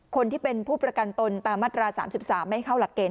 คนที่เป็นผู้ประกันตนตามมาตรา๓๓ไม่ให้เข้าหลักเกณ